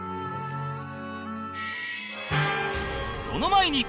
その前に